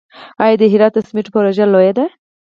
آیا د هرات د سمنټو پروژه لویه ده؟